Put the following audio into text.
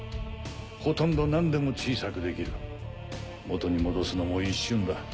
ほとんど何でも小さくできるもとに戻すのも一瞬だ。